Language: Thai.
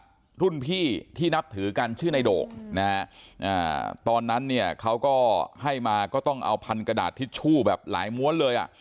รุ่นพี่ที่นับถือกันชื่อในโด่งนะฮะตอนนั้นเนี่ยเขาก็ให้มาก็ต้องเอาพันกระดาษทิชชู่แบบหลายม้วนเลยอ่ะ